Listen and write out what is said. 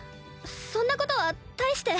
そんなことは大して。